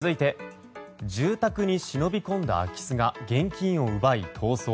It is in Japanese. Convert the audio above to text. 続いて住宅に忍び込んだ空き巣が現金を奪い逃走。